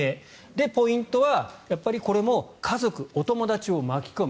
ポイントはやっぱりこれも家族、お友達を巻き込む。